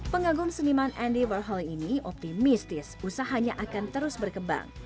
pengagum seniman andywerhole ini optimistis usahanya akan terus berkembang